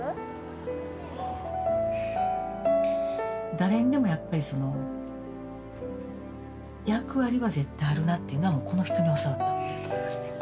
誰にでもやっぱり役割は絶対あるなっていうのはもうこの人に教わったことやと思いますね。